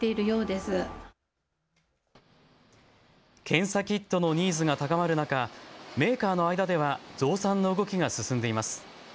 検査キットのニーズが高まる中、メーカーの間では増産の動きが進んでいます。